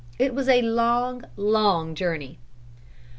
It was a long, long journey.